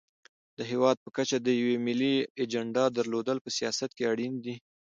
د هېواد په کچه د یوې ملي اجنډا درلودل په سیاست کې اړین دي.